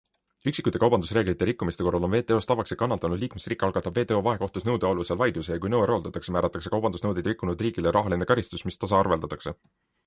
Üksikute kaubandusreeglite rikkumiste korral on WTO-s tavaks, et kannatanud liikmesriik algatab WTO vahekohtus nõude alusel vaidluse, ja kui nõue rahuldatakse, määratakse kaubandusnõudeid rikkunud riigile rahaline karistus, mis tasaarveldatakse.